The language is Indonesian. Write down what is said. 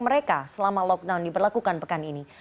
mereka selama lockdown diberlakukan pekan ini